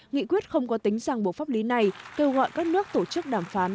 nghị quyết không có tính rằng bộ pháp lý này kêu gọi các nước tổ chức đàm phán